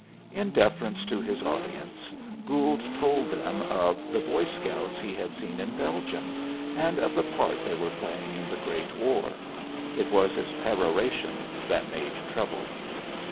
In deference to his audience, Gould told them of the boy scouts he had seen in Belgium and of the part they were playing in the great war. It was his peroration that made trouble.